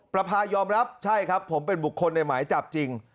ประพายอมรับใช่ครับผมเป็นบุคคลในหมายจับจริง